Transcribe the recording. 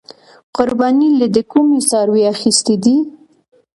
قربانۍ له دې کوم څاروې اغستی دی؟